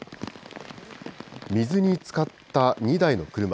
水につかった２台の車。